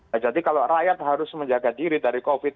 nah jadi kalau rakyat harus menjaga diri dari covid